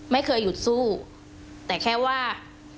ไม่เคยหยุดสู้แต่แค่ว่า